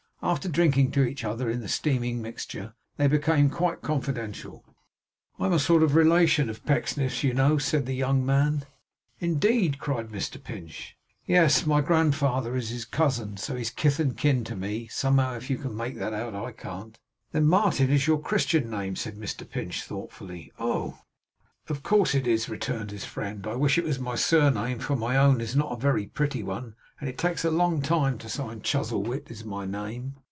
After drinking to each other in the steaming mixture, they became quite confidential. 'I'm a sort of relation of Pecksniff's, you know,' said the young man. 'Indeed!' cried Mr Pinch. 'Yes. My grandfather is his cousin, so he's kith and kin to me, somehow, if you can make that out. I can't.' 'Then Martin is your Christian name?' said Mr Pinch, thoughtfully. 'Oh!' 'Of course it is,' returned his friend: 'I wish it was my surname for my own is not a very pretty one, and it takes a long time to sign. Chuzzlewit is my name.